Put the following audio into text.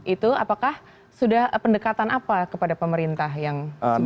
itu apakah sudah pendekatan apa kepada pemerintah yang sebelumnya